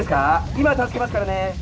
今助けますからね